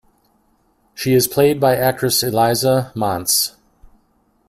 She is played by actress Elisa Monse.